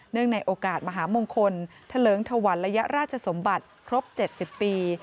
เนื่องในโอกาสมหามงคลทะเลิ้งถวัลระยะราชสมบัติครบ๗๐ปี